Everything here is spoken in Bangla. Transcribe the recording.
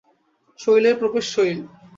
শৈলের প্রবেশ শৈল।